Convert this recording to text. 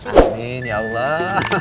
amin ya allah